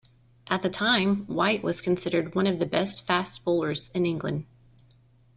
At the time, White was considered one of the best fast bowlers in England.